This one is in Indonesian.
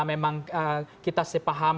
memang kita paham